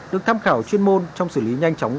được tham khảo chuyên môn trong xử lý nhanh chóng